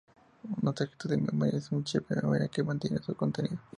Una tarjeta de memoria es un chip de memoria que mantiene su contenido.